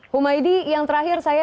humaydi yang terakhir saya